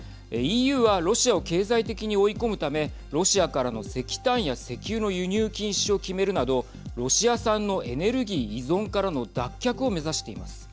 ＥＵはロシアを経済的に追い込むためロシアからの石炭や石油の輸入禁止を決めるなどロシア産のエネルギー依存からの脱却を目指しています。